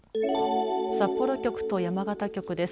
札幌局と山形局です。